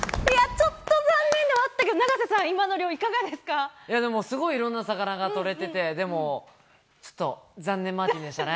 ちょっと残念ではあったけど、永瀬さん、でもすごいいろんな魚が取れてて、でも、ちょっと、残念マーティンでしたね。